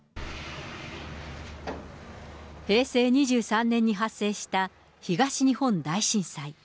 平成２３年に発生した東日本大震災。